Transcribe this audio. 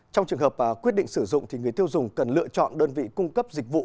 trong trường hợp quyết định sử dụng người tiêu dùng cần lựa chọn đơn vị cung cấp dịch vụ